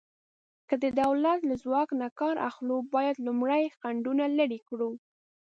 که د دولت له ځواک نه کار اخلو، باید لومړی خنډونه لرې کړو.